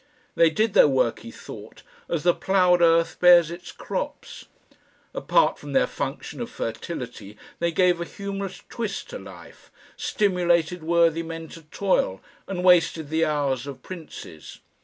They did their work, he thought, as the ploughed earth bears its crops. Apart from their function of fertility they gave a humorous twist to life, stimulated worthy men to toil, and wasted the hours of Princes.